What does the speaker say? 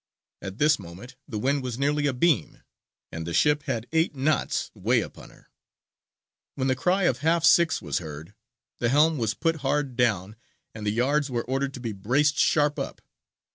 At this moment the wind was nearly abeam, and the ship had eight knots way upon her. When the cry of 'half six' was heard, the helm was put hard down and the yards were ordered to be braced sharp up.